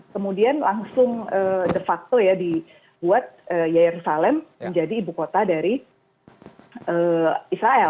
kemudian langsung de facto ya dibuat yair salem menjadi ibukota dari israel